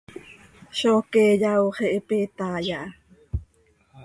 ¡Zó queeya, ox ihiipe itaai aha!